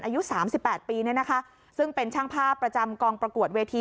อายุสามสิบแปดปีเนี่ยนะคะซึ่งเป็นช่างภาพประจำกองประกวดเวที